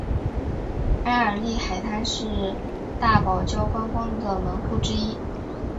埃尔利海滩是大堡礁观光的门户之一。